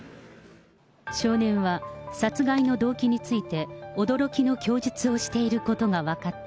少年は、殺害の動機について、驚きの供述をしていることが分かった。